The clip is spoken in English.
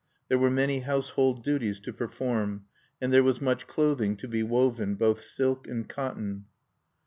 There were many household duties to perform, and there was much clothing to be woven both silk and cotton.